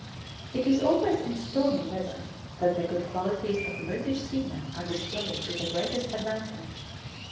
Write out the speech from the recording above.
It is always in stormy weather that the good qualities of the British seaman are displayed to the greatest advantage.